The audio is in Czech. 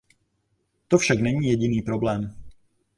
To však není jediný problém.